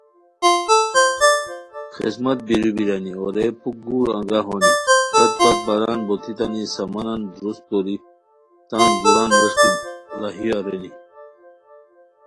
خسمت بیرو بیرانی اورئے پُھک گور انگاہ ہونی حت پت باران بوتیتیانی سامانن درست کوری تان دُوران ووݰکی راہی ارینی